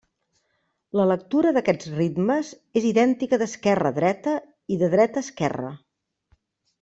La lectura d'aquests ritmes és idèntica d'esquerra a dreta i de dreta a esquerra.